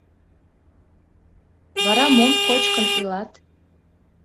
— Вара мом кочкын илат?